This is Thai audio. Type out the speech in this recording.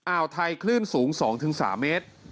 อ่าวไทยคลื่นสูง๒๓เมตร